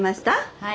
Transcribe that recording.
はい。